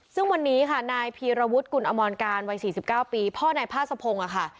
ซึ่งวันนี้ค่ะนายพีรวุฒิกุลอมรการวัย๔๙ปีพ่อนายพาสะพงศ์ค่ะ